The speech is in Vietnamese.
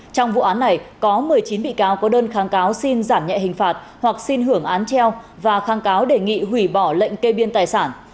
trong vụ án này có một mươi chín bị cáo có đơn kháng cáo xin giảm nhẹ hình phạt hoặc xin hưởng án treo và kháng cáo đề nghị hủy bỏ lệnh kê biên tài sản